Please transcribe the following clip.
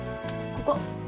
ここ？